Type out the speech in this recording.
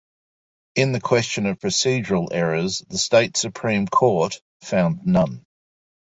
In the question of procedural errors, the state Supreme Court found none.